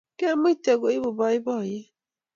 kemuite koibu baibaiet